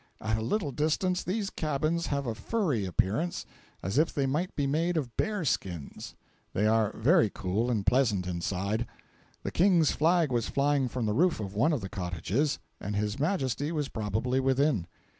At a little distance these cabins have a furry appearance, as if they might be made of bear skins. They are very cool and pleasant inside. The King's flag was flying from the roof of one of the cottages, and His Majesty was probably within.